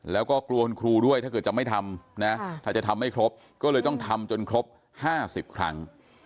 แล้วก็กลัวคุณครูด้วยถ้าเกิดจะไม่ทำนะถ้าจะทำไม่ครบก็เลยต้องทำจนครบ๕๐ครั้ง